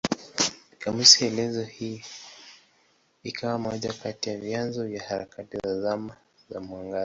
Kamusi elezo hii ikawa moja kati ya vyanzo vya harakati ya Zama za Mwangaza.